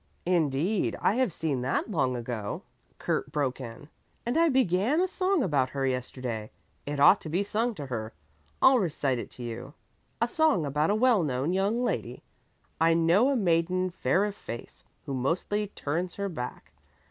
"Indeed! I have seen that long ago," Kurt broke in, "and I began a song about her yesterday. It ought to be sung to her. I'll recite it to you: A SONG ABOUT A WELL KNOWN YOUNG LADY. I know a maiden fair of face, Who mostly turns her back.